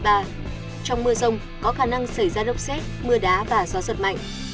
trong mưa sông có khả năng xảy ra đốc xét mưa đá và gió giật mạnh